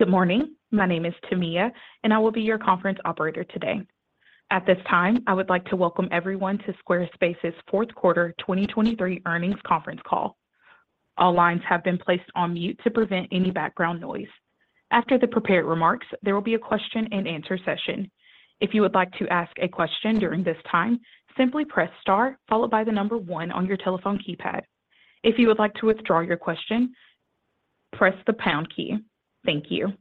Good morning. My name is Tamiya, and I will be your conference operator today. At this time, I would like to welcome everyone to Squarespace's fourth quarter 2023 earnings conference call. All lines have been placed on mute to prevent any background noise. After the prepared remarks, there will be a question-and-answer session. If you would like to ask a question during this time, simply press star followed by the number one on your telephone keypad. If you would like to withdraw your question, press the pound key. Thank you.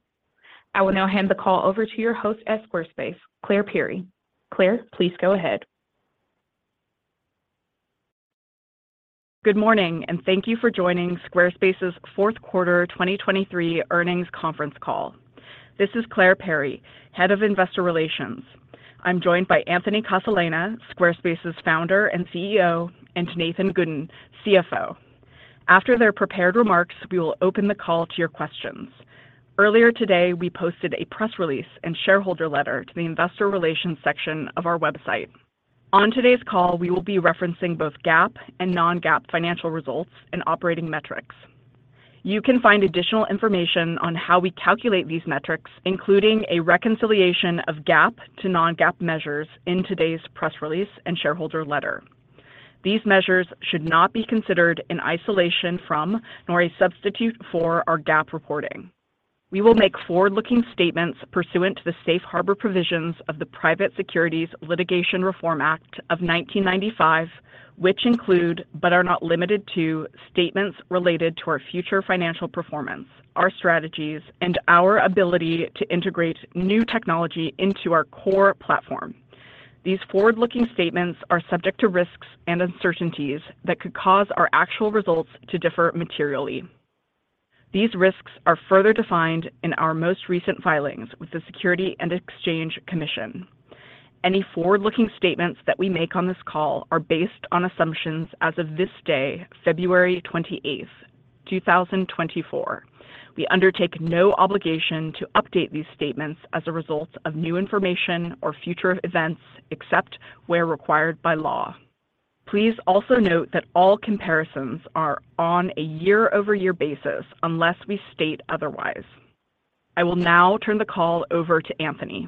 I will now hand the call over to your host at Squarespace, Clare Perry. Clare, please go ahead. Good morning, and thank you for joining Squarespace's fourth quarter 2023 earnings conference call. This is Clare Perry, Head of Investor Relations. I'm joined by Anthony Casalena, Squarespace's Founder and CEO, and Nathan Gooden, CFO. After their prepared remarks, we will open the call to your questions. Earlier today, we posted a press release and shareholder letter to the investor relations section of our website. On today's call, we will be referencing both GAAP and non-GAAP financial results and operating metrics. You can find additional information on how we calculate these metrics, including a reconciliation of GAAP to non-GAAP measures, in today's press release and shareholder letter. These measures should not be considered in isolation from nor a substitute for our GAAP reporting. We will make forward-looking statements pursuant to the Safe Harbor provisions of the Private Securities Litigation Reform Act of 1995, which include but are not limited to statements related to our future financial performance, our strategies, and our ability to integrate new technology into our core platform. These forward-looking statements are subject to risks and uncertainties that could cause our actual results to differ materially. These risks are further defined in our most recent filings with the Securities and Exchange Commission. Any forward-looking statements that we make on this call are based on assumptions as of this day, February 28th, 2024. We undertake no obligation to update these statements as a result of new information or future events, except where required by law. Please also note that all comparisons are on a year-over-year basis unless we state otherwise. I will now turn the call over to Anthony.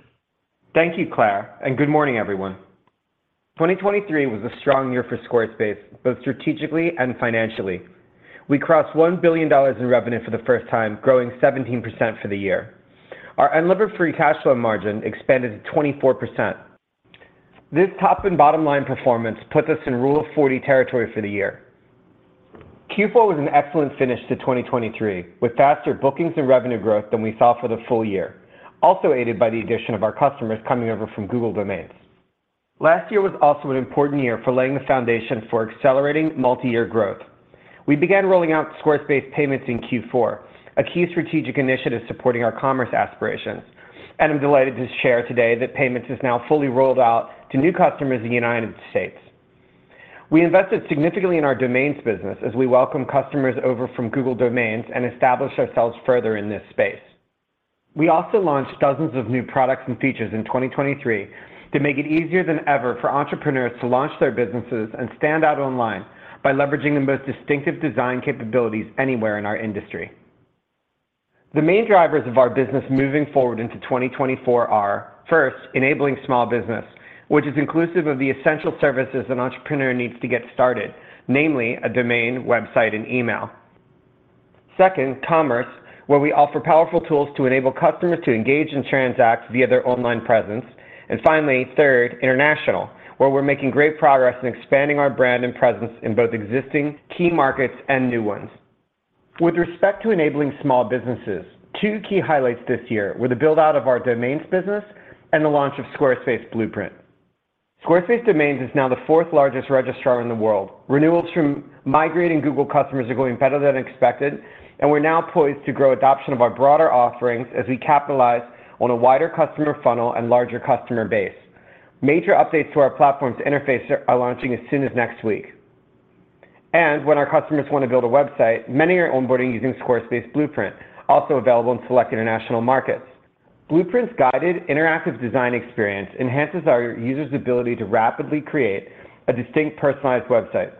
Thank you, Clare, and good morning, everyone. 2023 was a strong year for Squarespace, both strategically and financially. We crossed $1 billion in revenue for the first time, growing 17% for the year. Our Unlevered Free Cash Flow margin expanded to 24%. This top-and-bottom line performance put us in Rule of 40 territory for the year. Q4 was an excellent finish to 2023, with faster bookings and revenue growth than we saw for the full year, also aided by the addition of our customers coming over from Google Domains. Last year was also an important year for laying the foundation for accelerating multi-year growth. We began rolling out Squarespace Payments in Q4, a key strategic initiative supporting our commerce aspirations, and I'm delighted to share today that Payments is now fully rolled out to new customers in the United States. We invested significantly in our domains business as we welcomed customers over from Google Domains and established ourselves further in this space. We also launched dozens of new products and features in 2023 to make it easier than ever for entrepreneurs to launch their businesses and stand out online by leveraging the most distinctive design capabilities anywhere in our industry. The main drivers of our business moving forward into 2024 are, first, enabling small business, which is inclusive of the essential services an entrepreneur needs to get started, namely a domain, website, and email. Second, commerce, where we offer powerful tools to enable customers to engage and transact via their online presence. And finally, third, international, where we're making great progress in expanding our brand and presence in both existing key markets and new ones. With respect to enabling small businesses, two key highlights this year were the build-out of our domains business and the launch of Squarespace Blueprint. Squarespace Domains is now the fourth-largest registrar in the world. Renewals from migrating Google customers are going better than expected, and we're now poised to grow adoption of our broader offerings as we capitalize on a wider customer funnel and larger customer base. Major updates to our platform's interface are launching as soon as next week. When our customers want to build a website, many are onboarding using Squarespace Blueprint, also available in select international markets. Blueprint's guided, interactive design experience enhances our users' ability to rapidly create a distinct, personalized website,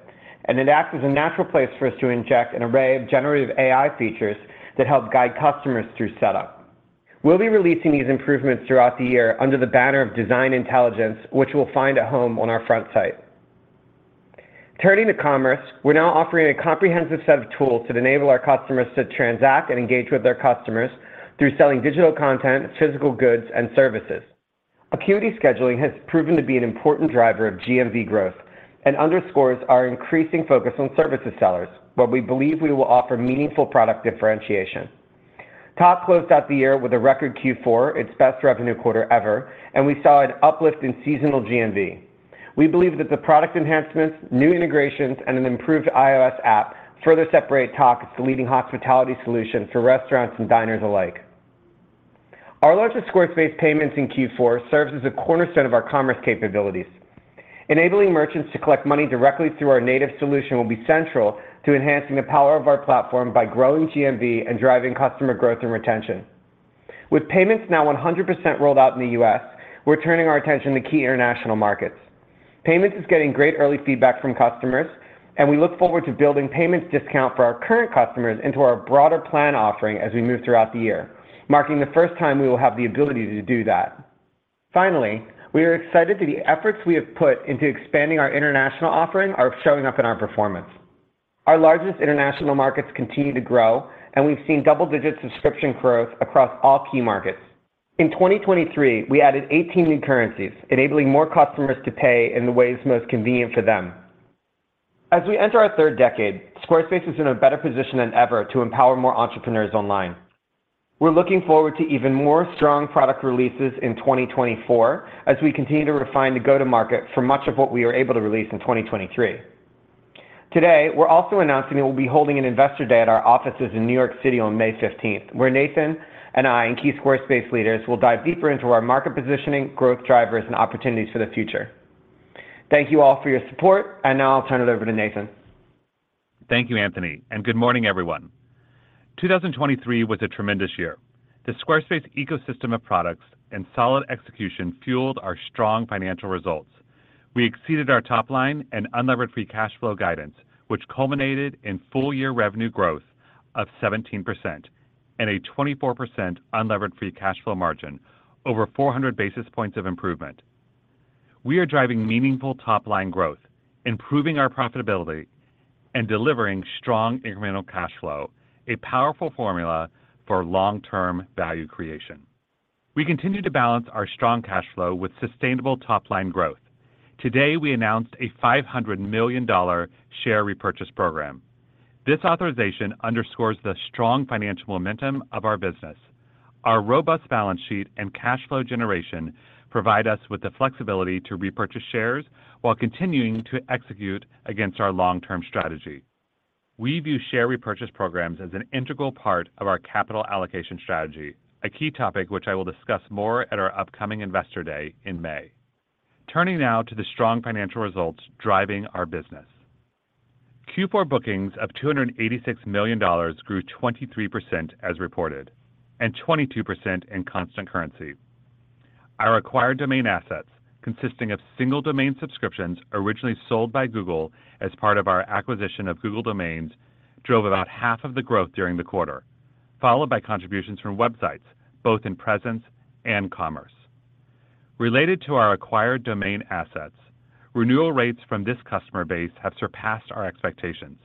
and it acts as a natural place for us to inject an array of generative AI features that help guide customers through setup. We'll be releasing these improvements throughout the year under the banner of Design Intelligence, which you'll find at home on our front site. Turning to commerce, we're now offering a comprehensive set of tools to enable our customers to transact and engage with their customers through selling digital content, physical goods, and services. Acuity Scheduling has proven to be an important driver of GMV growth and underscores our increasing focus on services sellers, where we believe we will offer meaningful product differentiation. Tock closed out the year with a record Q4, its best revenue quarter ever, and we saw an uplift in seasonal GMV. We believe that the product enhancements, new integrations, and an improved iOS app further separate Tock as the leading hospitality solution for restaurants and diners alike. Our launch of Squarespace Payments in Q4 serves as a cornerstone of our commerce capabilities. Enabling merchants to collect money directly through our native solution will be central to enhancing the power of our platform by growing GMV and driving customer growth and retention. With Payments now 100% rolled out in the U.S., we're turning our attention to key international markets. Payments is getting great early feedback from customers, and we look forward to building Payments discount for our current customers into our broader plan offering as we move throughout the year, marking the first time we will have the ability to do that. Finally, we are excited that the efforts we have put into expanding our international offering are showing up in our performance. Our largest international markets continue to grow, and we've seen double-digit subscription growth across all key markets. In 2023, we added 18 new currencies, enabling more customers to pay in the ways most convenient for them. As we enter our third decade, Squarespace is in a better position than ever to empower more entrepreneurs online. We're looking forward to even more strong product releases in 2024 as we continue to refine the go-to-market for much of what we are able to release in 2023. Today, we're also announcing that we'll be holding an investor day at our offices in New York City on May 15th, where Nathan and I and key Squarespace leaders will dive deeper into our market positioning, growth drivers, and opportunities for the future. Thank you all for your support, and now I'll turn it over to Nathan. Thank you, Anthony, and good morning, everyone. 2023 was a tremendous year. The Squarespace ecosystem of products and solid execution fueled our strong financial results. We exceeded our top line and Unlevered Free Cash Flow guidance, which culminated in full-year revenue growth of 17% and a 24% Unlevered Free Cash Flow margin, over 400 basis points of improvement. We are driving meaningful top line growth, improving our profitability, and delivering strong incremental cash flow, a powerful formula for long-term value creation. We continue to balance our strong cash flow with sustainable top line growth. Today, we announced a $500 million share repurchase program. This authorization underscores the strong financial momentum of our business. Our robust balance sheet and cash flow generation provide us with the flexibility to repurchase shares while continuing to execute against our long-term strategy. We view share repurchase programs as an integral part of our capital allocation strategy, a key topic which I will discuss more at our upcoming investor day in May. Turning now to the strong financial results driving our business. Q4 bookings of $286 million grew 23% as reported, and 22% in constant currency. Our acquired domain assets, consisting of single domain subscriptions originally sold by Google as part of our acquisition of Google Domains, drove about half of the growth during the quarter, followed by contributions from websites, both in presence and commerce. Related to our acquired domain assets, renewal rates from this customer base have surpassed our expectations.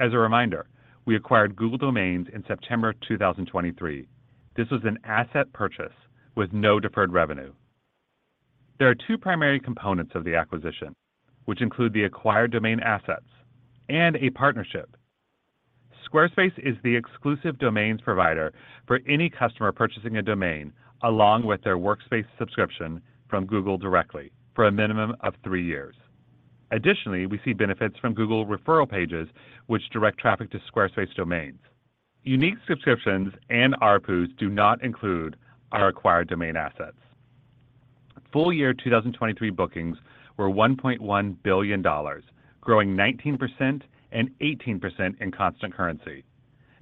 As a reminder, we acquired Google Domains in September 2023. This was an asset purchase with no deferred revenue. There are two primary components of the acquisition, which include the acquired domain assets and a partnership. Squarespace is the exclusive domains provider for any customer purchasing a domain along with their Workspace subscription from Google directly for a minimum of three years. Additionally, we see benefits from Google referral pages, which direct traffic to Squarespace domains. Unique subscriptions and ARPUs do not include our acquired domain assets. Full-year 2023 bookings were $1.1 billion, growing 19% and 18% in constant currency.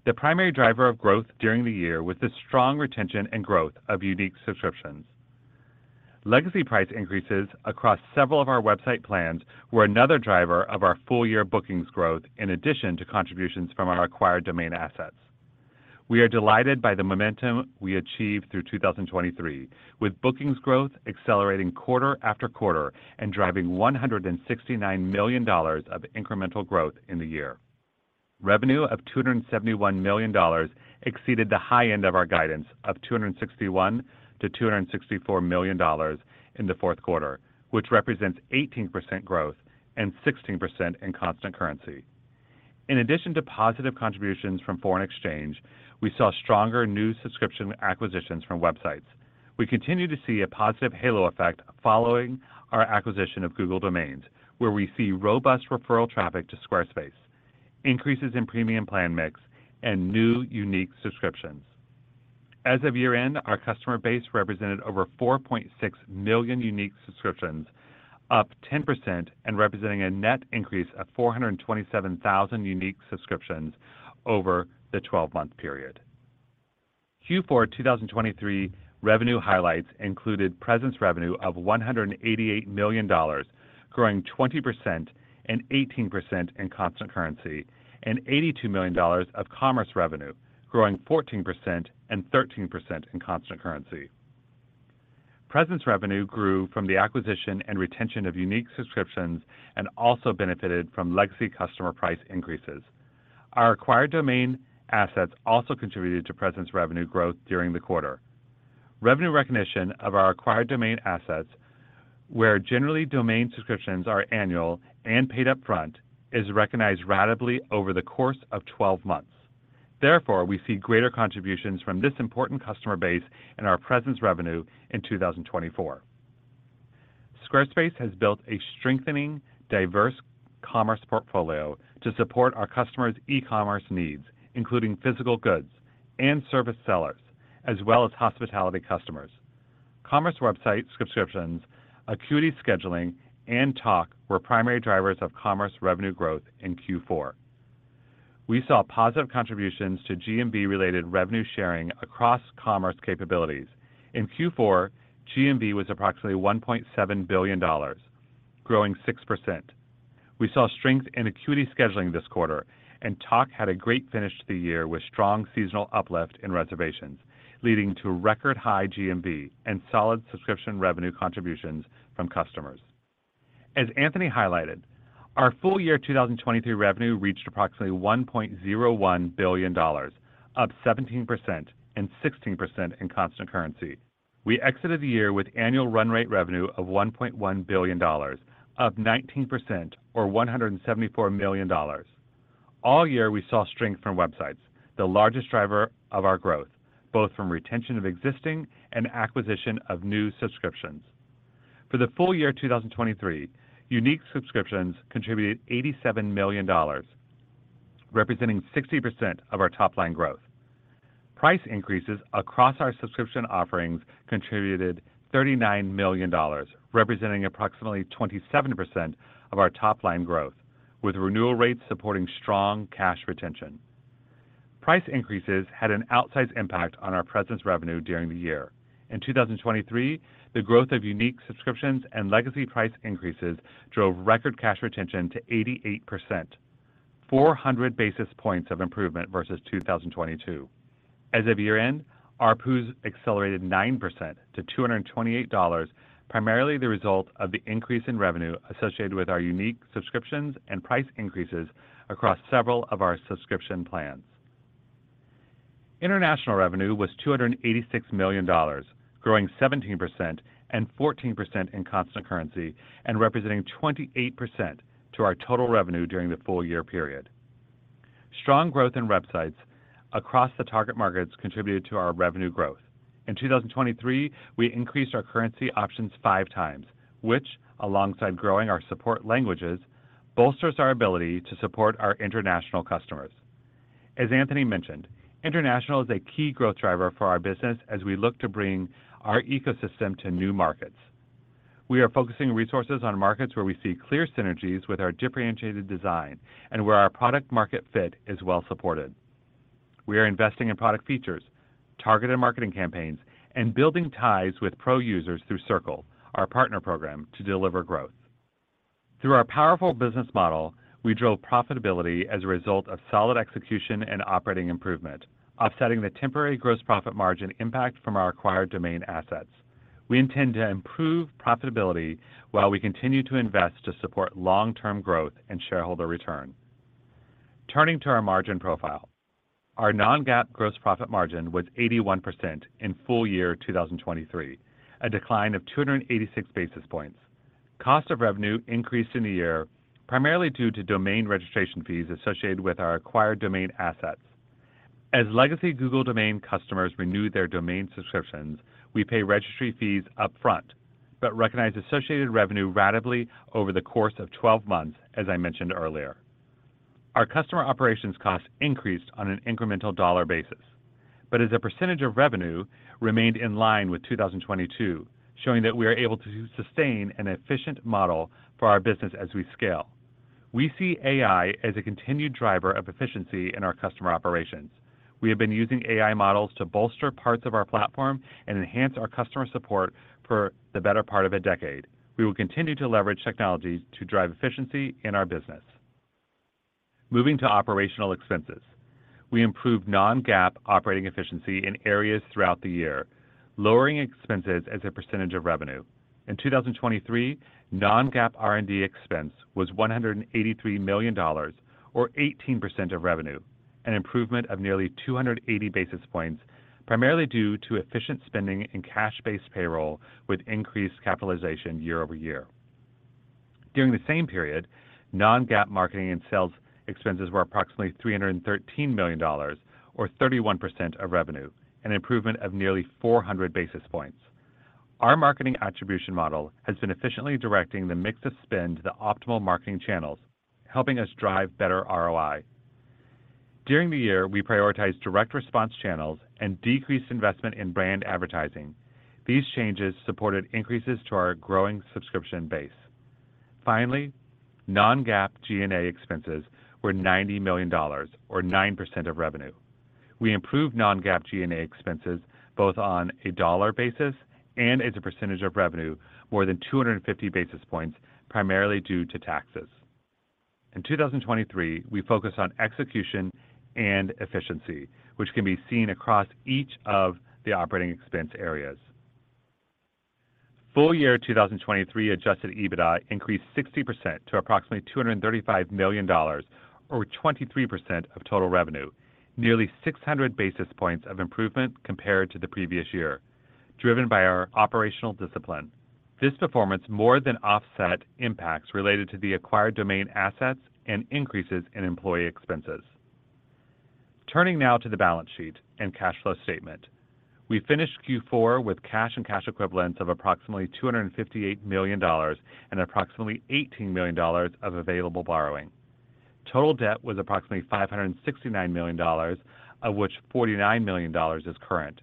The primary driver of growth during the year was the strong retention and growth of unique subscriptions. Legacy price increases across several of our website plans were another driver of our full-year bookings growth in addition to contributions from our acquired domain assets. We are delighted by the momentum we achieved through 2023, with bookings growth accelerating quarter-after-quarter and driving $169 million of incremental growth in the year. Revenue of $271 million exceeded the high end of our guidance of $261 million-$264 million in the fourth quarter, which represents 18% growth and 16% in Constant Currency. In addition to positive contributions from foreign exchange, we saw stronger new subscription acquisitions from websites. We continue to see a positive halo effect following our acquisition of Google Domains, where we see robust referral traffic to Squarespace, increases in premium plan mix, and new Unique Subscriptions. As of year-end, our customer base represented over 4.6 million Unique Subscriptions, up 10% and representing a net increase of 427,000 Unique Subscriptions over the 12-month period. Q4 2023 revenue highlights included presence revenue of $188 million, growing 20% and 18% in Constant Currency, and $82 million of commerce revenue, growing 14% and 13% in Constant Currency. Presence revenue grew from the acquisition and retention of unique subscriptions and also benefited from legacy customer price increases. Our acquired domain assets also contributed to presence revenue growth during the quarter. Revenue recognition of our acquired domain assets, where generally domain subscriptions are annual and paid upfront, is recognized rapidly over the course of 12 months. Therefore, we see greater contributions from this important customer base in our presence revenue in 2024. Squarespace has built a strengthening, diverse commerce portfolio to support our customers' e-commerce needs, including physical goods and service sellers, as well as hospitality customers. Commerce website subscriptions, Acuity Scheduling, and Tock were primary drivers of commerce revenue growth in Q4. We saw positive contributions to GMV-related revenue sharing across commerce capabilities. In Q4, GMV was approximately $1.7 billion, growing 6%. We saw strength in Acuity Scheduling this quarter, and Tock had a great finish to the year with strong seasonal uplift in reservations, leading to record high GMV and solid subscription revenue contributions from customers. As Anthony highlighted, our full-year 2023 revenue reached approximately $1.01 billion, up 17% and 16% in Constant Currency. We exited the year with annual run-rate revenue of $1.1 billion, up 19% or $174 million. All year, we saw strength from websites, the largest driver of our growth, both from retention of existing and acquisition of new subscriptions. For the full year 2023, unique subscriptions contributed $87 million, representing 60% of our top line growth. Price increases across our subscription offerings contributed $39 million, representing approximately 27% of our top line growth, with renewal rates supporting strong cash retention. Price increases had an outsized impact on our presence revenue during the year. In 2023, the growth of unique subscriptions and legacy price increases drove record cash retention to 88%, 400 basis points of improvement versus 2022. As of year-end, ARPUs accelerated 9% to $228, primarily the result of the increase in revenue associated with our unique subscriptions and price increases across several of our subscription plans. International revenue was $286 million, growing 17% and 14% in constant currency and representing 28% to our total revenue during the full-year period. Strong growth in websites across the target markets contributed to our revenue growth. In 2023, we increased our currency options five times, which, alongside growing our support languages, bolsters our ability to support our international customers. As Anthony mentioned, international is a key growth driver for our business as we look to bring our ecosystem to new markets. We are focusing resources on markets where we see clear synergies with our differentiated design and where our product-market fit is well supported. We are investing in product features, targeted marketing campaigns, and building ties with pro users through Circle, our partner program, to deliver growth. Through our powerful business model, we drove profitability as a result of solid execution and operating improvement, offsetting the temporary gross profit margin impact from our acquired domain assets. We intend to improve profitability while we continue to invest to support long-term growth and shareholder return. Turning to our margin profile, our Non-GAAP gross profit margin was 81% in full-year 2023, a decline of 286 basis points. Cost of revenue increased in the year, primarily due to domain registration fees associated with our acquired domain assets. As legacy Google domain customers renew their domain subscriptions, we pay registry fees upfront but recognize associated revenue rapidly over the course of 12 months, as I mentioned earlier. Our customer operations costs increased on an incremental dollar basis, but as a percentage of revenue, remained in line with 2022, showing that we are able to sustain an efficient model for our business as we scale. We see AI as a continued driver of efficiency in our customer operations. We have been using AI models to bolster parts of our platform and enhance our customer support for the better part of a decade. We will continue to leverage technology to drive efficiency in our business. Moving to operational expenses, we improved non-GAAP operating efficiency in areas throughout the year, lowering expenses as a percentage of revenue. In 2023, non-GAAP R&D expense was $183 million or 18% of revenue, an improvement of nearly 280 basis points, primarily due to efficient spending and cash-based payroll with increased capitalization year-over-year. During the same period, non-GAAP marketing and sales expenses were approximately $313 million or 31% of revenue, an improvement of nearly 400 basis points. Our marketing attribution model has been efficiently directing the mix of spend to the optimal marketing channels, helping us drive better ROI. During the year, we prioritized direct response channels and decreased investment in brand advertising. These changes supported increases to our growing subscription base. Finally, non-GAAP G&A expenses were $90 million or 9% of revenue. We improved non-GAAP G&A expenses both on a dollar basis and as a percentage of revenue, more than 250 basis points, primarily due to taxes. In 2023, we focused on execution and efficiency, which can be seen across each of the operating expense areas. Full-year 2023 Adjusted EBITDA increased 60% to approximately $235 million or 23% of total revenue, nearly 600 basis points of improvement compared to the previous year, driven by our operational discipline. This performance more than offset impacts related to the acquired domain assets and increases in employee expenses. Turning now to the balance sheet and cash flow statement, we finished Q4 with cash and cash equivalents of approximately $258 million and approximately $18 million of available borrowing. Total debt was approximately $569 million, of which $49 million is current.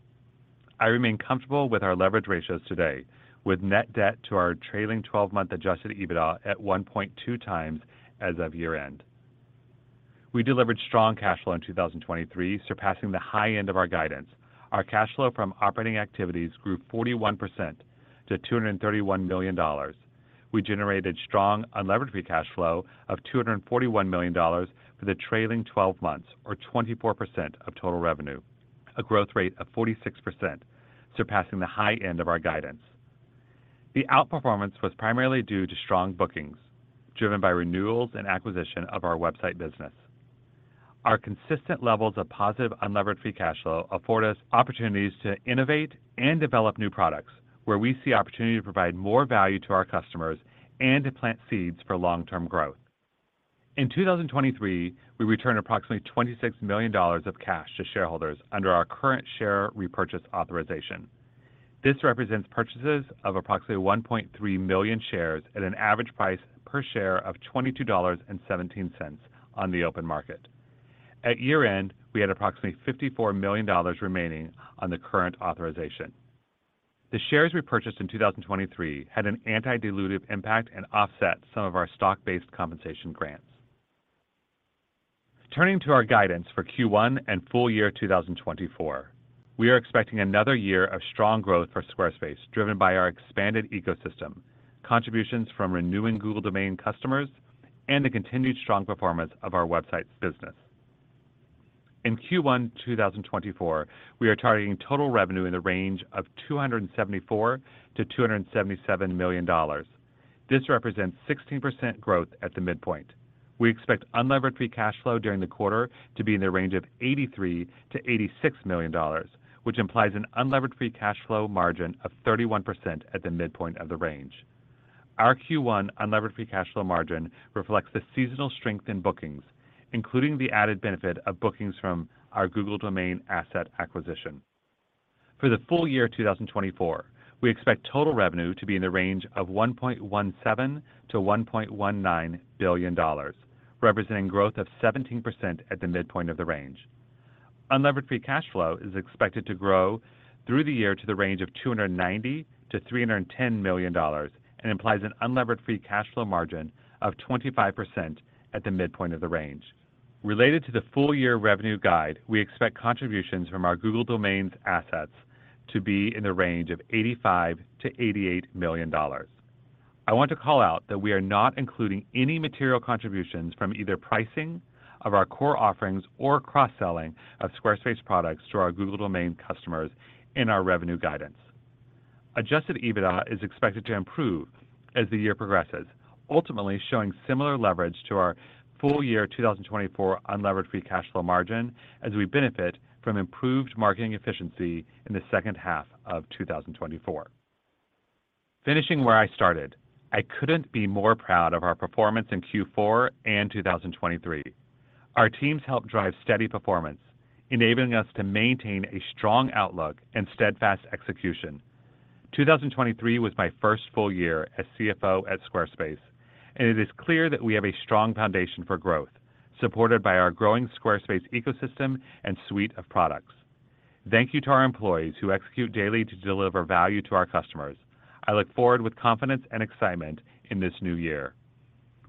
I remain comfortable with our leverage ratios today, with net debt to our trailing 12-month Adjusted EBITDA at 1.2x as of year-end. We delivered strong cash flow in 2023, surpassing the high end of our guidance. Our cash flow from operating activities grew 41% to $231 million. We generated strong unlevered free cash flow of $241 million for the trailing 12 months or 24% of total revenue, a growth rate of 46%, surpassing the high end of our guidance. The outperformance was primarily due to strong bookings, driven by renewals and acquisition of our website business. Our consistent levels of positive unlevered free cash flow afford us opportunities to innovate and develop new products, where we see opportunity to provide more value to our customers and to plant seeds for long-term growth. In 2023, we returned approximately $26 million of cash to shareholders under our current share repurchase authorization. This represents purchases of approximately 1.3 million shares at an average price per share of $22.17 on the open market. At year-end, we had approximately $54 million remaining on the current authorization. The shares we purchased in 2023 had an anti-dilutive impact and offset some of our stock-based compensation grants. Turning to our guidance for Q1 and full-year 2024, we are expecting another year of strong growth for Squarespace, driven by our expanded ecosystem, contributions from renewing Google domain customers, and the continued strong performance of our website business. In Q1 2024, we are targeting total revenue in the range of $274 million-$277 million. This represents 16% growth at the midpoint. We expect unlevered free cash flow during the quarter to be in the range of $83 million-$86 million, which implies an unlevered free cash flow margin of 31% at the midpoint of the range. Our Q1 unlevered free cash flow margin reflects the seasonal strength in bookings, including the added benefit of bookings from our Google domain asset acquisition. For the full-year 2024, we expect total revenue to be in the range of $1.17 billion-$1.19 billion, representing growth of 17% at the midpoint of the range. Unlevered free cash flow is expected to grow through the year to the range of $290 million-$310 million and implies an unlevered free cash flow margin of 25% at the midpoint of the range. Related to the full-year revenue guide, we expect contributions from our Google Domains assets to be in the range of $85 million-$88 million. I want to call out that we are not including any material contributions from either pricing of our core offerings or cross-selling of Squarespace products to our Google Domains customers in our revenue guidance. Adjusted EBITDA is expected to improve as the year progresses, ultimately showing similar leverage to our full-year 2024 unlevered free cash flow margin as we benefit from improved marketing efficiency in the second half of 2024. Finishing where I started, I couldn't be more proud of our performance in Q4 and 2023. Our teams helped drive steady performance, enabling us to maintain a strong outlook and steadfast execution. 2023 was my first full year as CFO at Squarespace, and it is clear that we have a strong foundation for growth, supported by our growing Squarespace ecosystem and suite of products. Thank you to our employees who execute daily to deliver value to our customers. I look forward with confidence and excitement in this new year.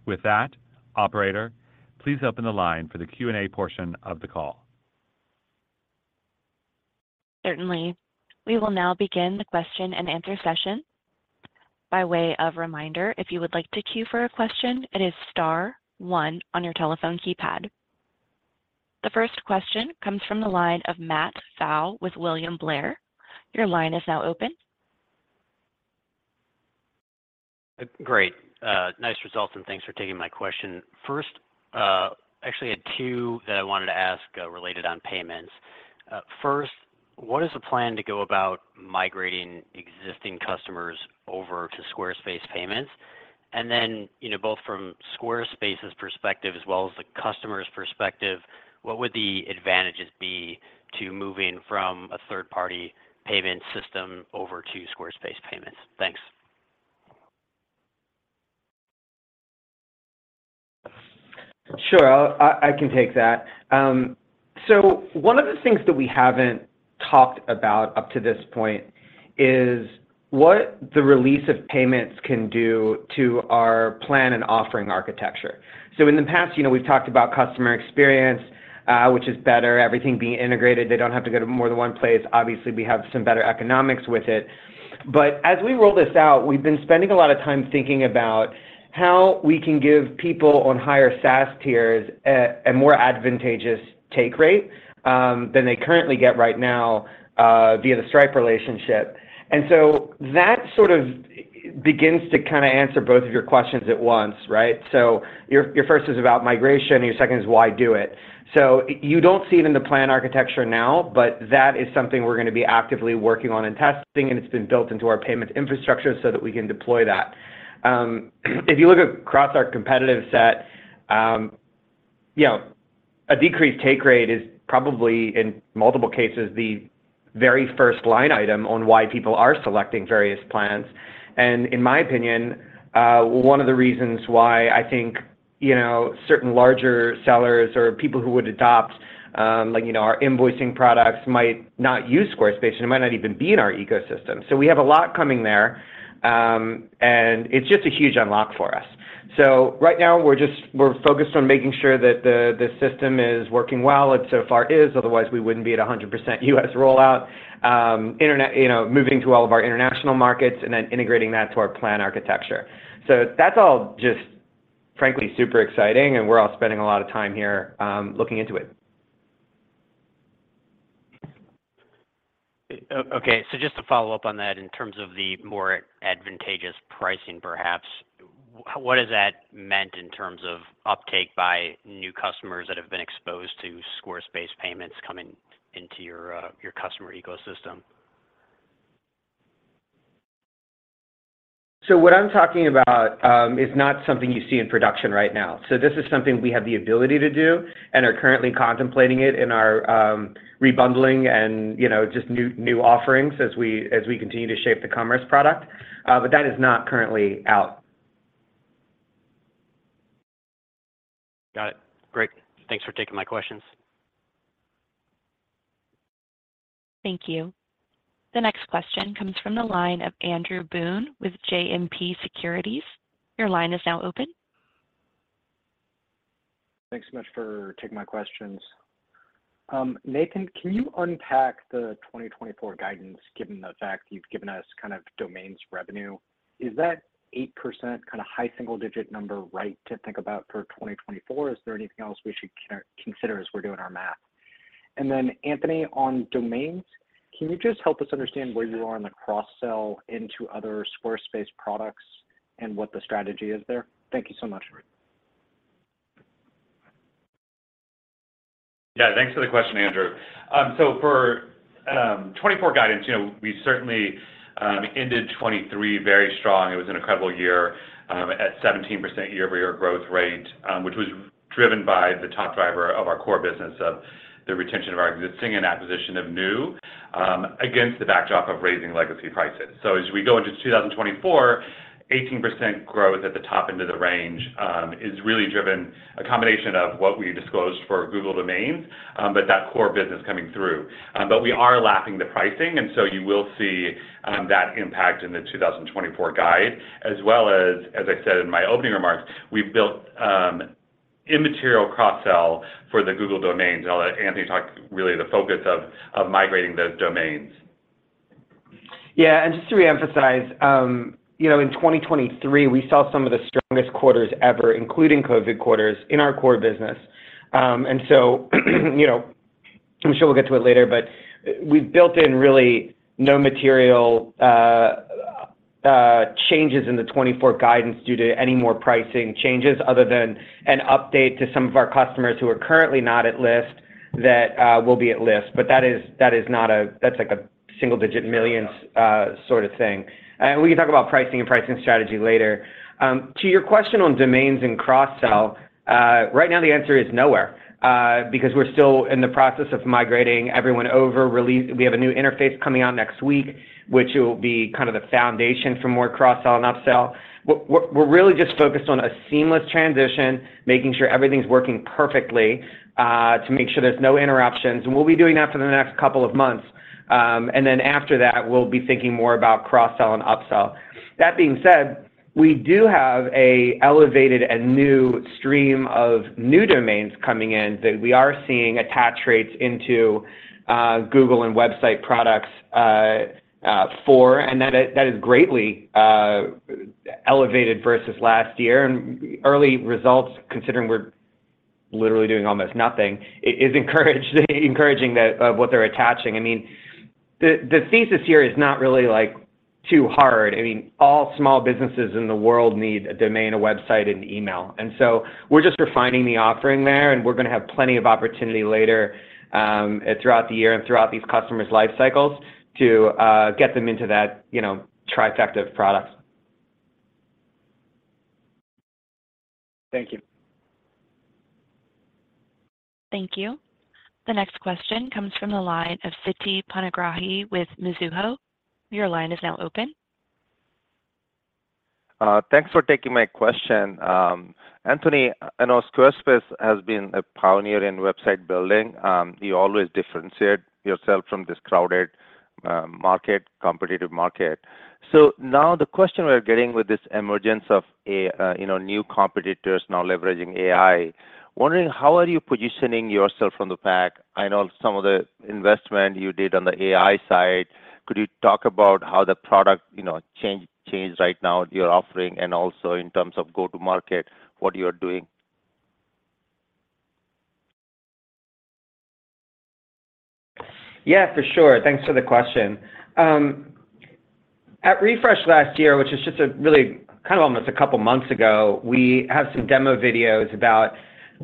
With that, Operator, please open the line for the Q&A portion of the call. Certainly. We will now begin the question-and-answer session. By way of reminder, if you would like to queue for a question, it is star 1 on your telephone keypad. The first question comes from the line of Matt Pfau with William Blair. Your line is now open. Great. Nice results, and thanks for taking my question. Actually, I had two that I wanted to ask related on payments. First, what is the plan to go about migrating existing customers over to Squarespace Payments? And then, both from Squarespace's perspective as well as the customer's perspective, what would the advantages be to moving from a third-party payment system over to Squarespace Payments? Thanks. Sure. I can take that. So one of the things that we haven't talked about up to this point is what the release of payments can do to our plan and offering architecture. So in the past, we've talked about customer experience, which is better, everything being integrated, they don't have to go to more than one place. Obviously, we have some better economics with it. But as we roll this out, we've been spending a lot of time thinking about how we can give people on higher SaaS tiers a more advantageous take rate than they currently get right now via the Stripe relationship. And so that sort of begins to kind of answer both of your questions at once, right? So your first is about migration, your second is why do it? So you don't see it in the plan architecture now, but that is something we're going to be actively working on and testing, and it's been built into our payments infrastructure so that we can deploy that. If you look across our competitive set, a decreased take rate is probably, in multiple cases, the very first line item on why people are selecting various plans. In my opinion, one of the reasons why I think certain larger sellers or people who would adopt our invoicing products might not use Squarespace, and it might not even be in our ecosystem. So we have a lot coming there, and it's just a huge unlock for us. So right now, we're focused on making sure that the system is working well. It so far is. Otherwise, we wouldn't be at 100% U.S. rollout, moving to all of our international markets, and then integrating that to our plan architecture. So that's all just, frankly, super exciting, and we're all spending a lot of time here looking into it. Okay. So just to follow up on that, in terms of the more advantageous pricing, perhaps, what has that meant in terms of uptake by new customers that have been exposed to Squarespace Payments coming into your customer ecosystem? So what I'm talking about is not something you see in production right now. So this is something we have the ability to do and are currently contemplating it in our rebundling and just new offerings as we continue to shape the commerce product. But that is not currently out. Got it. Great. Thanks for taking my questions. Thank you. The next question comes from the line of Andrew Boone with JMP Securities. Your line is now open. Thanks so much for taking my questions. Nathan, can you unpack the 2024 guidance, given the fact you've given us kind of domains revenue? Is that 8% kind of high single-digit number right to think about for 2024? Is there anything else we should consider as we're doing our math? And then, Anthony, on domains, can you just help us understand where you are on the cross-sell into other Squarespace products and what the strategy is there? Thank you so much. Yeah. Thanks for the question, Andrew. So for 2024 guidance, we certainly ended 2023 very strong. It was an incredible year at 17% year-over-year growth rate, which was driven by the top driver of our core business of the retention of our existing and acquisition of new against the backdrop of raising legacy prices. So as we go into 2024, 18% growth at the top end of the range is really driven a combination of what we disclosed for Google Domains but that core business coming through. But we are lapping the pricing, and so you will see that impact in the 2024 guide. As well as, as I said in my opening remarks, we've built immaterial cross-sell for the Google Domains. And I'll let Anthony talk really the focus of migrating those domains. Yeah. And just to reemphasize, in 2023, we saw some of the strongest quarters ever, including COVID quarters, in our core business. And so I'm sure we'll get to it later, but we've built in really no material changes in the 2024 guidance due to any more pricing changes other than an update to some of our customers who are currently not at list that will be at list. But that is not a that's like a $1 million-$9 million sort of thing. And we can talk about pricing and pricing strategy later. To your question on domains and cross-sell, right now, the answer is nowhere because we're still in the process of migrating everyone over. We have a new interface coming out next week, which will be kind of the foundation for more cross-sell and upsell. We're really just focused on a seamless transition, making sure everything's working perfectly to make sure there's no interruptions. And we'll be doing that for the next couple of months. And then after that, we'll be thinking more about cross-sell and upsell. That being said, we do have an elevated and new stream of new domains coming in that we are seeing attach rates into Google and website products for. And that is greatly elevated versus last year. And early results, considering we're literally doing almost nothing, is encouraging of what they're attaching. I mean, the thesis here is not really too hard. I mean, all small businesses in the world need a domain, a website, and email. And so we're just refining the offering there, and we're going to have plenty of opportunity later throughout the year and throughout these customers' life cycles to get them into that trifecta of products. Thank you. Thank you. The next question comes from the line of Siti Panigrahi with Mizuho. Your line is now open. Thanks for taking my question. Anthony, I know Squarespace has been a pioneer in website building. You always differentiate yourself from this crowded competitive market. So now the question we're getting with this emergence of new competitors now leveraging AI, wondering how are you positioning yourself from the back? I know some of the investment you did on the AI side. Could you talk about how the product changed right now, your offering, and also in terms of go-to-market, what you're doing? Yeah, for sure. Thanks for the question. At Refresh last year, which is just really kind of almost a couple of months ago, we have some demo videos about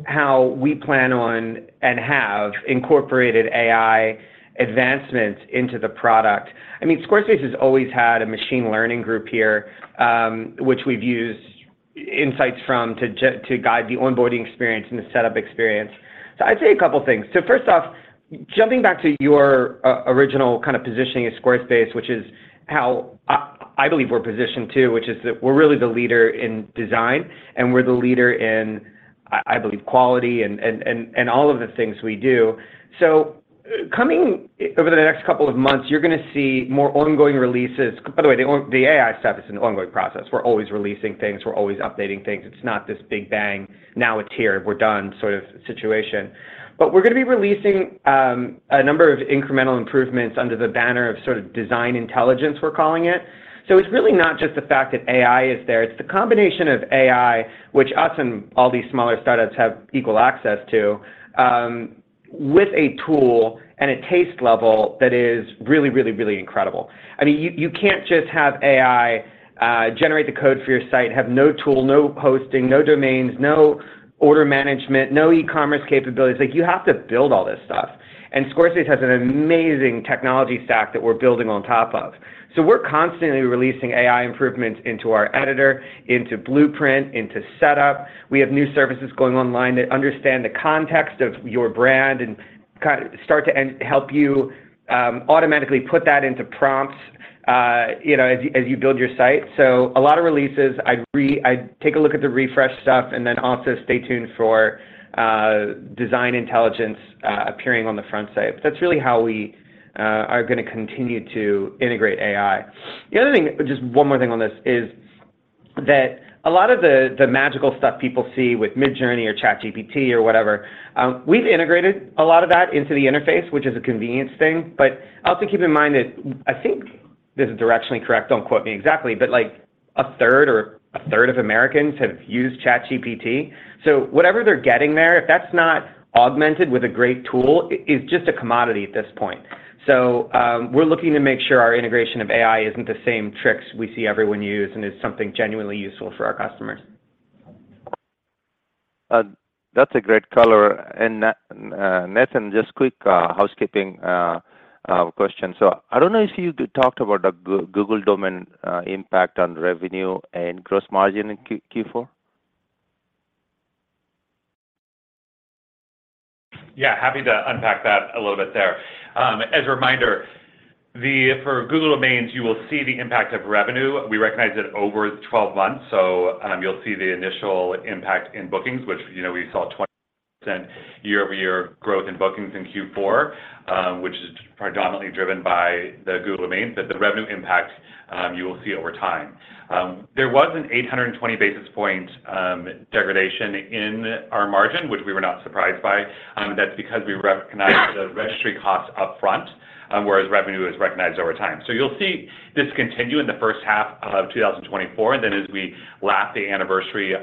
how we plan on and have incorporated AI advancements into the product. I mean, Squarespace has always had a machine learning group here, which we've used insights from to guide the onboarding experience and the setup experience. So I'd say a couple of things. So first off, jumping back to your original kind of positioning at Squarespace, which is how I believe we're positioned too, which is that we're really the leader in design, and we're the leader in, I believe, quality and all of the things we do. So over the next couple of months, you're going to see more ongoing releases. By the way, the AI stuff is an ongoing process. We're always releasing things. We're always updating things. It's not this big bang, "Now it's here. We're done," sort of situation. But we're going to be releasing a number of incremental improvements under the banner of sort of Design Intelligence, we're calling it. So it's really not just the fact that AI is there. It's the combination of AI, which we and all these smaller startups have equal access to, with a tool and a taste level that is really, really, really incredible. I mean, you can't just have AI generate the code for your site, have no tool, no hosting, no domains, no order management, no e-commerce capabilities. You have to build all this stuff. Squarespace has an amazing technology stack that we're building on top of. We're constantly releasing AI improvements into our editor, into Blueprint, into Setup. We have new services going online that understand the context of your brand and start to help you automatically put that into prompts as you build your site. A lot of releases. I'd take a look at the Refresh stuff and then also stay tuned for Design Intelligence appearing on the front site. That's really how we are going to continue to integrate AI. The other thing, just one more thing on this, is that a lot of the magical stuff people see with Midjourney or ChatGPT or whatever, we've integrated a lot of that into the interface, which is a convenience thing. Also keep in mind that I think this is directionally correct. Don't quote me exactly, but a third of Americans have used ChatGPT. So whatever they're getting there, if that's not augmented with a great tool, is just a commodity at this point. So we're looking to make sure our integration of AI isn't the same tricks we see everyone use and is something genuinely useful for our customers. That's a great color. And Nathan, just quick housekeeping question. So I don't know if you talked about the Google Domains impact on revenue and gross margin in Q4? Yeah. Happy to unpack that a little bit there. As a reminder, for Google Domains, you will see the impact of revenue. We recognize it over 12 months. So you'll see the initial impact in bookings, which we saw 20% year-over-year growth in bookings in Q4, which is predominantly driven by the Google Domains. But the revenue impact, you will see over time. There was an 820 basis points degradation in our margin, which we were not surprised by. That's because we recognized the registry cost upfront, whereas revenue is recognized over time. So you'll see this continue in the first half of 2024 and then as we lap the anniversary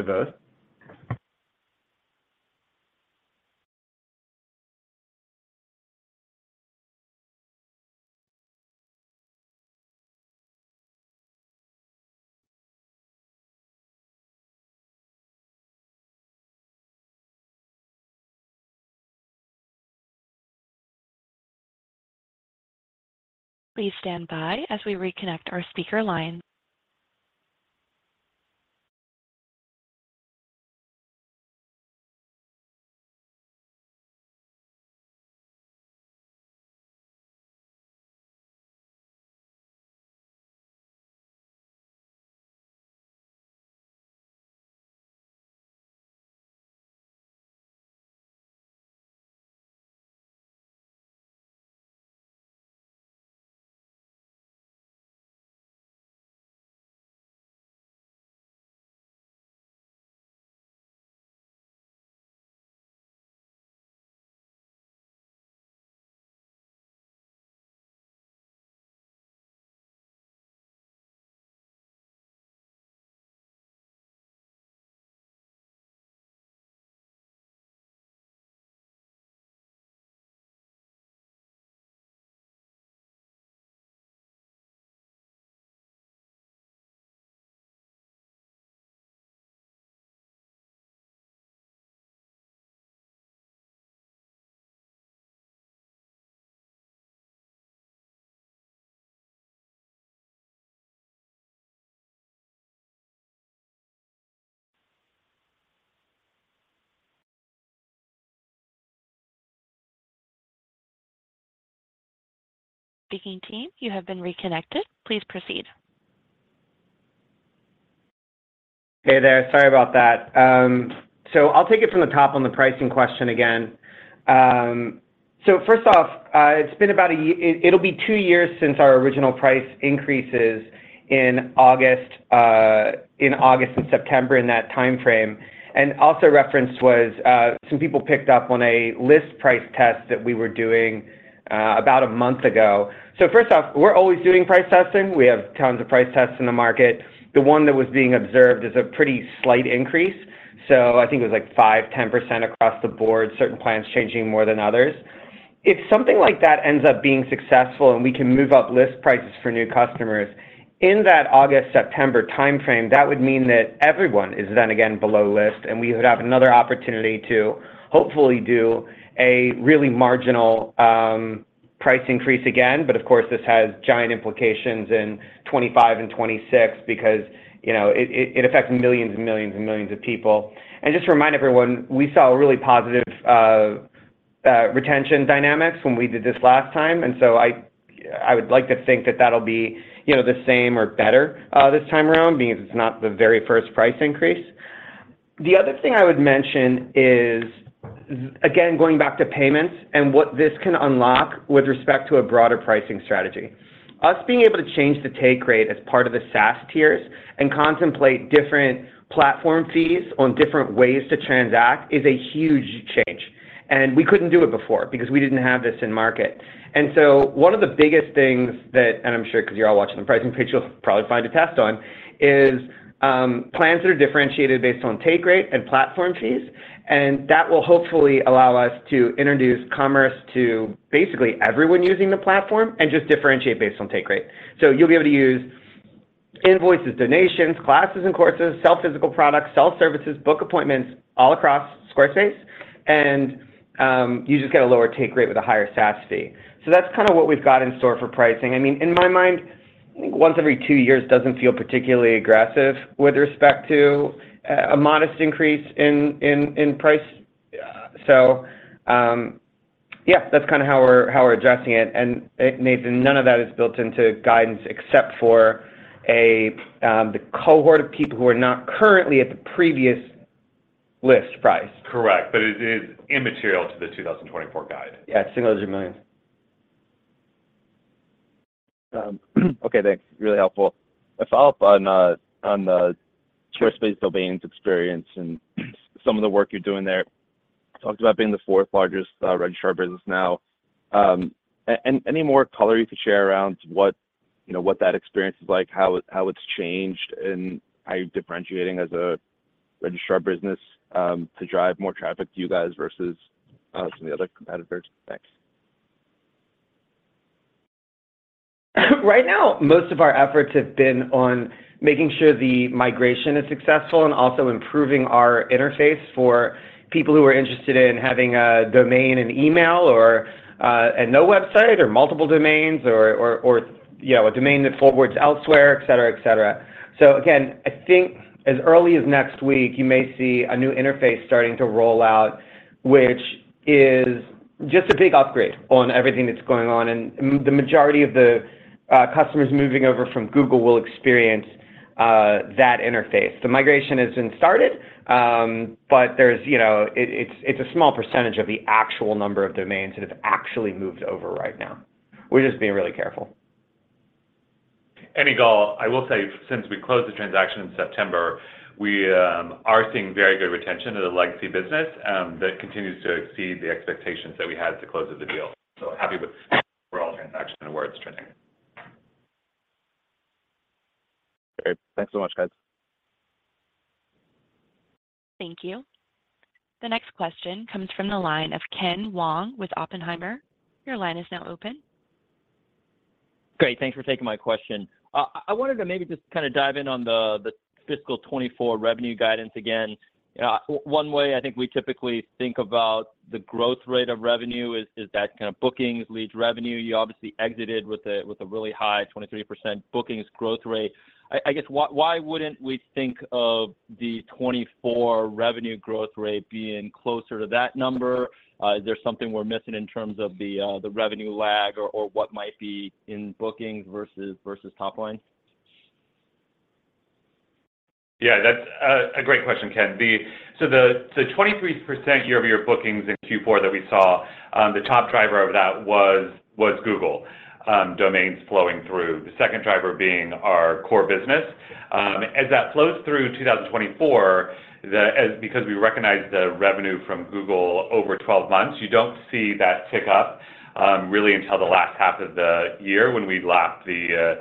of... Please stand by as we reconnect our speaker line. Speaking team, you have been reconnected. Please proceed. Hey there. Sorry about that. So I'll take it from the top on the pricing question again. So first off, it's been about a year; it'll be two years since our original price increases in August and September in that time frame. And also referenced was some people picked up on a list price test that we were doing about a month ago. So first off, we're always doing price testing. We have tons of price tests in the market. The one that was being observed is a pretty slight increase. So I think it was like 5%-10% across the board, certain plans changing more than others. If something like that ends up being successful and we can move up list prices for new customers in that August-September time frame, that would mean that everyone is then again below list, and we would have another opportunity to hopefully do a really marginal price increase again. But of course, this has giant implications in 2025 and 2026 because it affects millions and millions and millions of people. And just to remind everyone, we saw really positive retention dynamics when we did this last time. And so I would like to think that that'll be the same or better this time around, being as it's not the very first price increase. The other thing I would mention is, again, going back to payments and what this can unlock with respect to a broader pricing strategy. Our being able to change the take rate as part of the SaaS tiers and contemplate different platform fees on different ways to transact is a huge change. And we couldn't do it before because we didn't have this in market. And so one of the biggest things I'm sure because you're all watching the pricing page, you'll probably find a test on is plans that are differentiated based on take rate and platform fees. And that will hopefully allow us to introduce commerce to basically everyone using the platform and just differentiate based on take rate. So you'll be able to use invoices, donations, classes and courses, sell physical products, sell services, book appointments all across Squarespace, and you just get a lower take rate with a higher SaaS fee. So that's kind of what we've got in store for pricing. I mean, in my mind, I think once every two years doesn't feel particularly aggressive with respect to a modest increase in price. So yeah, that's kind of how we're addressing it. And Nathan, none of that is built into guidance except for the cohort of people who are not currently at the previous list price. Correct. But it is immaterial to the 2024 guide. Yeah. It's single-digit millions dollars. Okay. Thanks. Really helpful. A follow-up on the Squarespace Domains experience and some of the work you're doing there. Talked about being the fourth largest registrar business now. Any more color you could share around what that experience is like, how it's changed, and how you're differentiating as a registrar business to drive more traffic to you guys versus some of the other competitors? Thanks. Right now, most of our efforts have been on making sure the migration is successful and also improving our interface for people who are interested in having a domain and email and no website or multiple domains or a domain that forwards elsewhere, etc., etc. So again, I think as early as next week, you may see a new interface starting to roll out, which is just a big upgrade on everything that's going on. The majority of the customers moving over from Google will experience that interface. The migration has been started, but it's a small percentage of the actual number of domains that have actually moved over right now. We're just being really careful. Any goal. I will say, since we closed the transaction in September, we are seeing very good retention of the legacy business that continues to exceed the expectations that we had at the close of the deal. So, happy with the overall transaction and where it's trending. Great. Thanks so much, guys. Thank you. The next question comes from the line of Ken Wong with Oppenheimer. Your line is now open. Great. Thanks for taking my question. I wanted to maybe just kind of dive in on the fiscal 2024 revenue guidance again. One way I think we typically think about the growth rate of revenue is that kind of bookings lead revenue. You obviously exited with a really high 23% bookings growth rate. I guess, why wouldn't we think of the 2024 revenue growth rate being closer to that number? Is there something we're missing in terms of the revenue lag or what might be in bookings versus top line? Yeah. That's a great question, Ken. So the 23% year-over-year bookings in Q4 that we saw, the top driver of that was Google Domains flowing through, the second driver being our core business. As that flows through 2024, because we recognize the revenue from Google over 12 months, you don't see that tick up really until the last half of the year when we lap the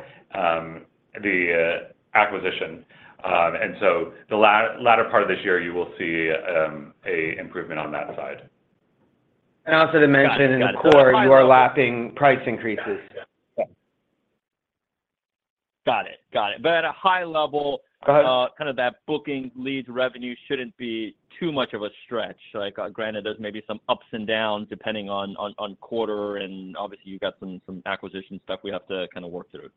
acquisition. And so the latter part of this year, you will see an improvement on that side. Also to mention, in the core, you are lapping price increases. Got it. Got it. But at a high level, kind of that booking leads revenue shouldn't be too much of a stretch. Granted, there's maybe some ups and downs depending on quarter. And obviously, you've got some acquisition stuff we have to kind of work through.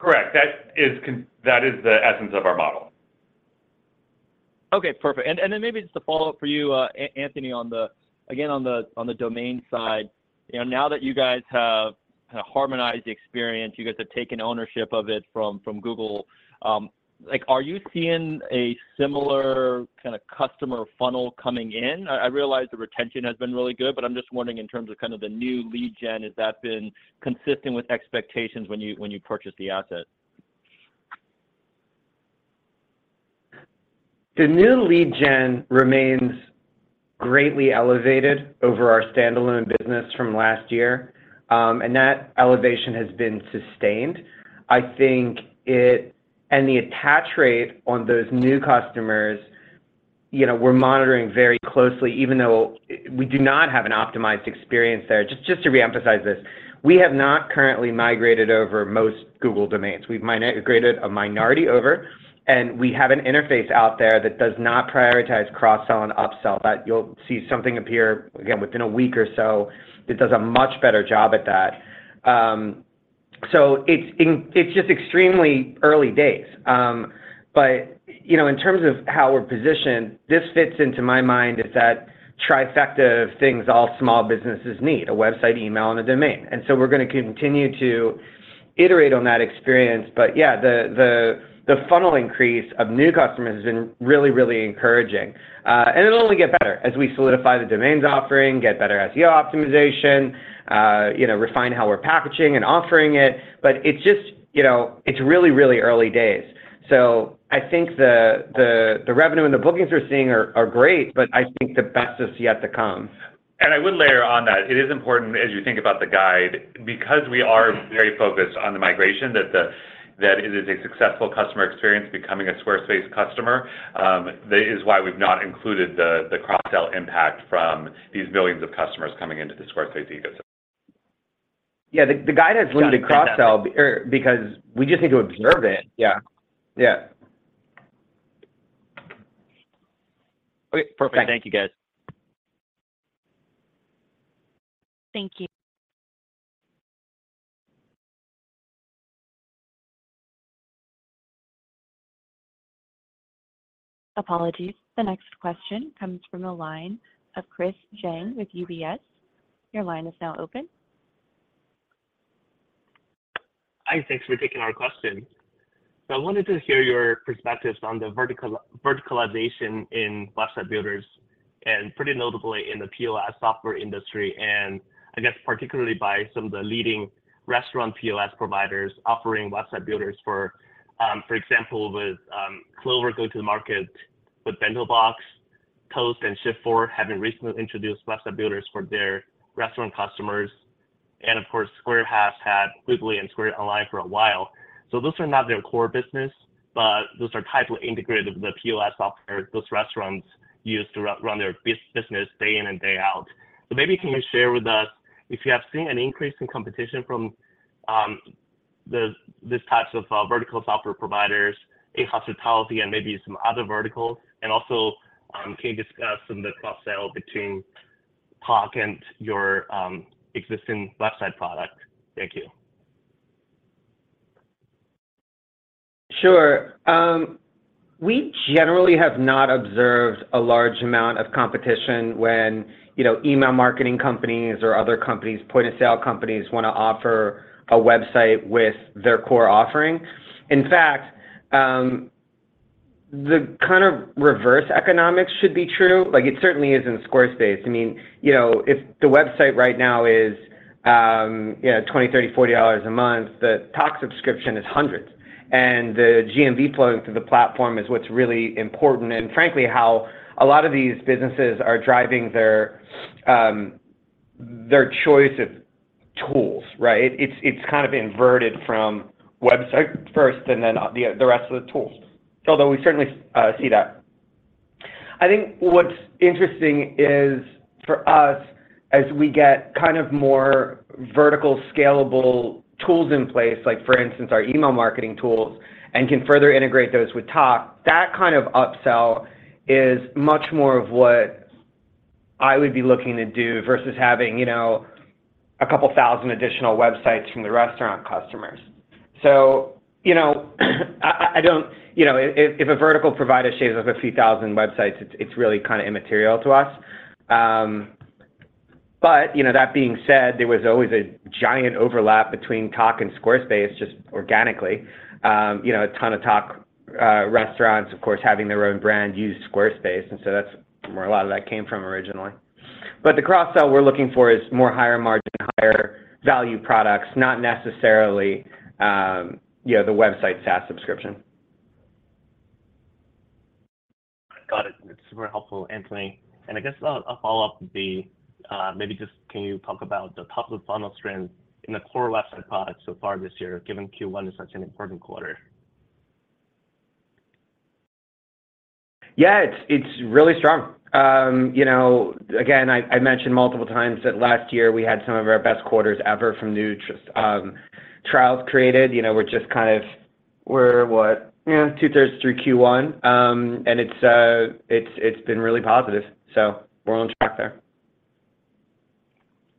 Correct. That is the essence of our model. Okay. Perfect. And then maybe just a follow-up for you, Anthony, again on the domain side. Now that you guys have kind of harmonized the experience, you guys have taken ownership of it from Google, are you seeing a similar kind of customer funnel coming in? I realize the retention has been really good, but I'm just wondering in terms of kind of the new lead gen, has that been consistent with expectations when you purchased the asset? The new lead gen remains greatly elevated over our standalone business from last year, and that elevation has been sustained. I think it and the attach rate on those new customers, we're monitoring very closely, even though we do not have an optimized experience there. Just to reemphasize this, we have not currently migrated over most Google Domains. We've migrated a minority over, and we have an interface out there that does not prioritize cross-sell and upsell. You'll see something appear, again, within a week or so. It does a much better job at that. So it's just extremely early days. But in terms of how we're positioned, this fits into my mind is that trifecta of things all small businesses need: a website, email, and a domain. And so we're going to continue to iterate on that experience. But yeah, the funnel increase of new customers has been really, really encouraging. And it'll only get better as we solidify the domains offering, get better SEO optimization, refine how we're packaging and offering it. But it's just really, really early days. So I think the revenue and the bookings we're seeing are great, but I think the best is yet to come. I would layer on that, it is important, as you think about the guide, because we are very focused on the migration, that it is a successful customer experience becoming a Squarespace customer. That is why we've not included the cross-sell impact from these millions of customers coming into the Squarespace ecosystem. Yeah. The guide has limited cross-sell because we just need to observe it. Yeah. Yeah. Okay. Perfect. Thank you, guys. Thank you. Apologies. The next question comes from a line of Chris Zhang with UBS. Your line is now open. Hi. Thanks for taking our question. So I wanted to hear your perspectives on the verticalization in website builders and pretty notably in the POS software industry and, I guess, particularly by some of the leading restaurant POS providers offering website builders. For example, with Clover go-to-market with BentoBox, Toast, and Shopify having recently introduced website builders for their restaurant customers. And of course, Square has had Weebly and Square Online for a while. So those are not their core business, but those are tightly integrated with the POS software those restaurants use to run their business day in and day out. So maybe can you share with us if you have seen an increase in competition from these types of vertical software providers, in hospitality, and maybe some other verticals? And also, can you discuss some of the cross-sell between POS and your existing website product? Thank you. Sure. We generally have not observed a large amount of competition when email marketing companies or other point-of-sale companies want to offer a website with their core offering. In fact, the kind of reverse economics should be true. It certainly is in Squarespace. I mean, if the website right now is $20, $30, $40 a month, the POS subscription is hundreds. And the GMV flowing through the platform is what's really important and, frankly, how a lot of these businesses are driving their choice of tools, right? It's kind of inverted from website first and then the rest of the tools, although we certainly see that. I think what's interesting is for us, as we get kind of more vertical, scalable tools in place, for instance, our email marketing tools, and can further integrate those with Tock, that kind of upsell is much more of what I would be looking to do versus having a couple thousand additional websites from the restaurant customers. So I don't know if a vertical provider shaves off a few thousand websites, it's really kind of immaterial to us. But that being said, there was always a giant overlap between Tock and Squarespace just organically. A ton of Tock restaurants, of course, having their own brand, use Squarespace. And so that's where a lot of that came from originally. But the cross-sell we're looking for is more higher-margin, higher-value products, not necessarily the website SaaS subscription. Got it. Super helpful, Anthony. And I guess a follow-up would be, maybe just can you talk about the top-of-the-funnel strength in the core website product so far this year, given Q1 is such an important quarter? Yeah. It's really strong. Again, I mentioned multiple times that last year, we had some of our best quarters ever from new trials created. We're just kind of what? 2/3s through Q1. It's been really positive. So we're on track there.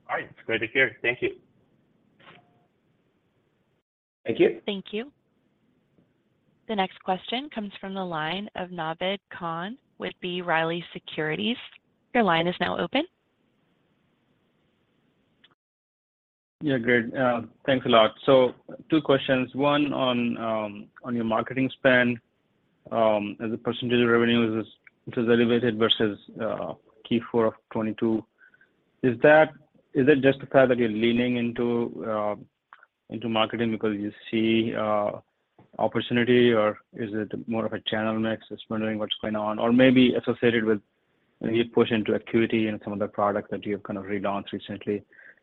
All right. It's great to hear. Thank you. Thank you. Thank you. The next question comes from the line of Naved Khan with B. Riley Securities. Your line is now open. Yeah. Great. Thanks a lot. So two questions. One on your marketing spend as a percentage of revenue, which is elevated versus Q4 of 2022. Is it just the fact that you're leaning into marketing because you see opportunity, or is it more of a channel mix? Just wondering what's going on or maybe associated with your push into Acuity and some of the products that you have kind of relaunched recently.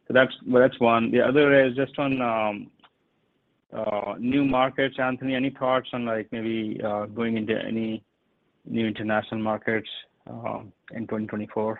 So that's one. The other is just on new markets, Anthony. Any thoughts on maybe going into any new international markets in 2024?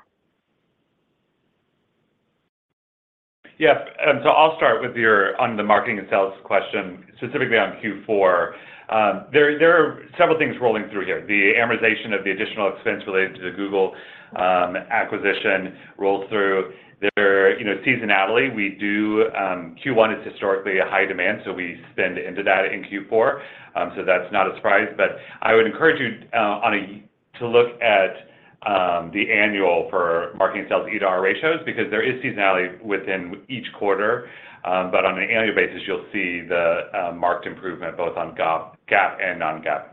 Yeah. So I'll start with your question on the marketing and sales question, specifically on Q4. There are several things rolling through here. The amortization of the additional expense related to the Google acquisition rolls through. Seasonally, we do Q1 is historically a high demand, so we spend into that in Q4. So that's not a surprise. But I would encourage you to look at the annual for marketing and sales E to R ratios because there is seasonality within each quarter. But on an annual basis, you'll see the marked improvement both on GAAP and non-GAAP.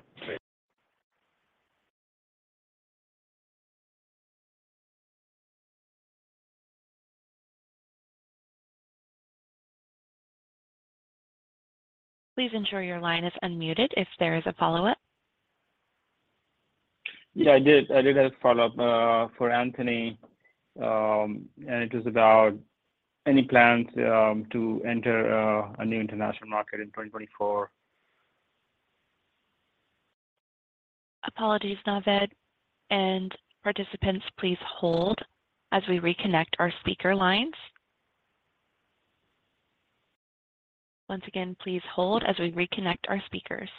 Please ensure your line is unmuted if there is a follow-up. Yeah. I did have a follow-up for Anthony. It was about any plans to enter a new international market in 2024. Apologies, Naved. Participants, please hold as we reconnect our speaker lines. Once again, please hold as we reconnect our speakers.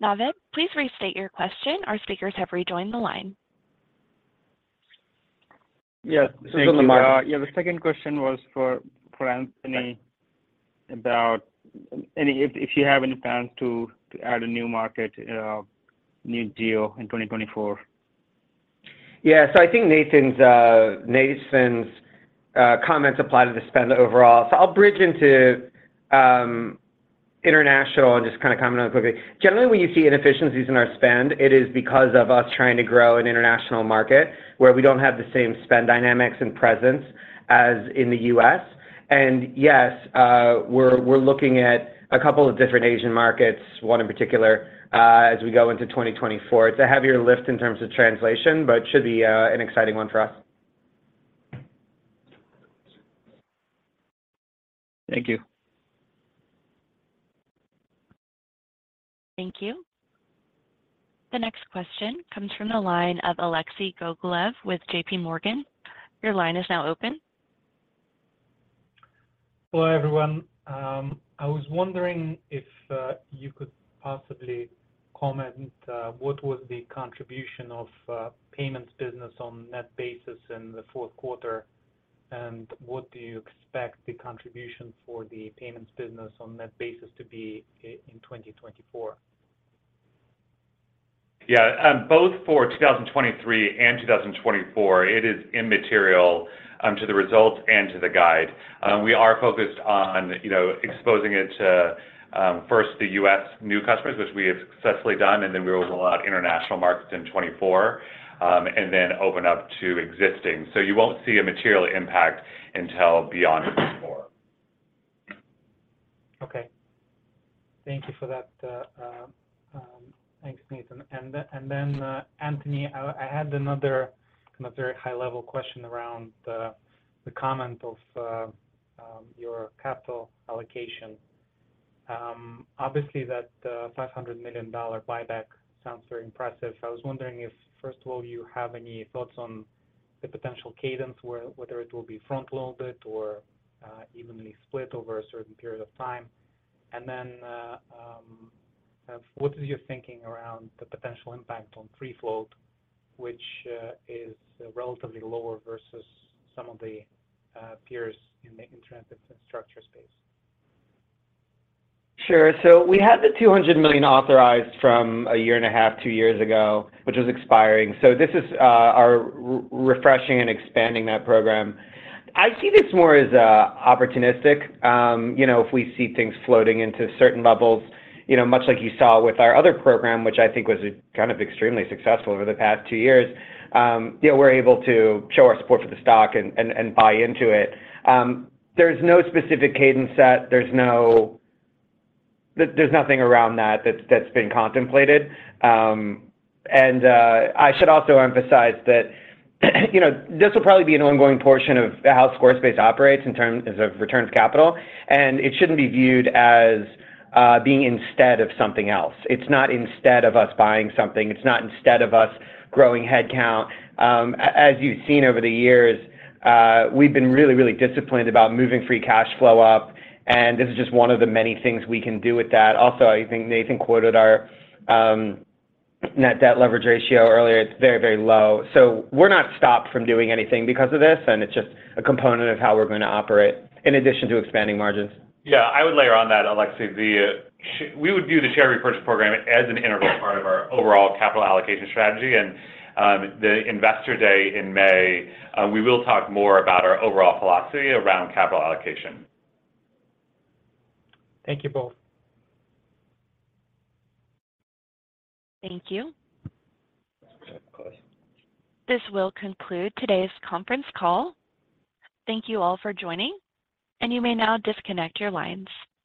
Naved, please restate your question. Our speakers have rejoined the line. Yeah. This is on the market. Yeah. The second question was for Anthony about if you have any plans to add a new market, new geo in 2024. Yeah. So I think Nathan's comments apply to the spend overall. So I'll bridge into international and just kind of comment on it quickly. Generally, when you see inefficiencies in our spend, it is because of us trying to grow an international market where we don't have the same spend dynamics and presence as in the U.S. And yes, we're looking at a couple of different Asian markets, one in particular, as we go into 2024. It's a heavier lift in terms of translation, but it should be an exciting one for us. Thank you. Thank you. The next question comes from the line of Alexei Gogolev with J.P. Morgan. Your line is now open. Hello everyone. I was wondering if you could possibly comment what was the contribution of payments business on net basis in the fourth quarter, and what do you expect the contribution for the payments business on net basis to be in 2024? Yeah. Both for 2023 and 2024, it is immaterial to the results and to the guide. We are focused on exposing it to, first, the U.S. new customers, which we have successfully done, and then we will roll out international markets in 2024 and then open up to existing. So you won't see a material impact until beyond 2024. Okay. Thank you for that. Thanks, Nathan. And then, Anthony, I had another kind of very high-level question around the comment of your capital allocation. Obviously, that $500 million buyback sounds very impressive. I was wondering if, first of all, you have any thoughts on the potential cadence, whether it will be front-loaded or evenly split over a certain period of time. And then what is your thinking around the potential impact on free float, which is relatively lower versus some of the peers in the internet infrastructure space? Sure. So we had the $200 million authorized from a year and a half, two years ago, which was expiring. So this is refreshing and expanding that program. I see this more as opportunistic. If we see things floating into certain levels, much like you saw with our other program, which I think was kind of extremely successful over the past two years, we're able to show our support for the stock and buy into it. There's no specific cadence set. There's nothing around that that's been contemplated. And I should also emphasize that this will probably be an ongoing portion of how Squarespace operates in terms of returns capital. And it shouldn't be viewed as being instead of something else. It's not instead of us buying something. It's not instead of us growing headcount. As you've seen over the years, we've been really, really disciplined about moving free cash flow up. This is just one of the many things we can do with that. Also, I think Nathan quoted our net debt leverage ratio earlier. It's very, very low. We're not stopped from doing anything because of this, and it's just a component of how we're going to operate in addition to expanding margins. Yeah. I would layer on that, Alexei. We would view the share repurchase program as an integral part of our overall capital allocation strategy. And the investor day in May, we will talk more about our overall philosophy around capital allocation. Thank you both. Thank you. This will conclude today's conference call. Thank you all for joining, and you may now disconnect your lines.